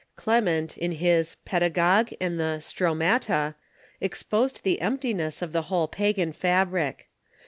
Clement, in his "Pedagogue," and the " Stromata," exposed the emptiness of the whole pa gan fabric.